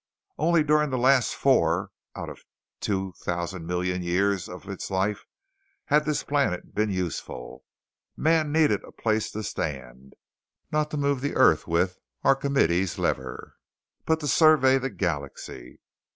Only during the last four out of two thousand millions of years of its life had this planet been useful. Man needed a place to stand; not to move the earth with Archimedes's lever but to survey the galaxy.